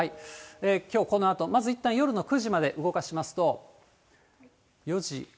きょうこのあと、まずいったん夜の９時まで動かしますと。